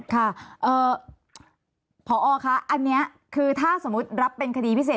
ค่ะพอคะอันนี้คือถ้าสมมุติรับเป็นคดีพิเศษ